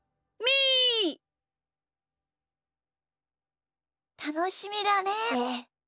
ええたのしみだね。